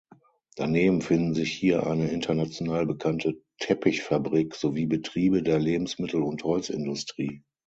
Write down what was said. Daneben finden sich hier eine international bekannte Teppichfabrik, sowie Betriebe der Lebensmittel- und Holzindustrie.